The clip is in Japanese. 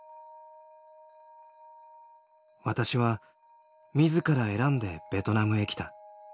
私は自ら選んでベトナムへきた。